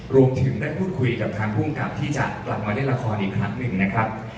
รวมถึงได้พูดคุยกับทางภูมิกับที่จะกลับมาเล่นละครอีกครั้งหนึ่งนะครับ